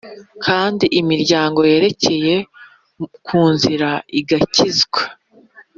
kandi imiryango yerekeye ku nzira igakinzwa